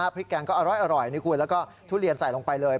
พริกแกงก็อร่อยนี่คุณแล้วก็ทุเรียนใส่ลงไปเลย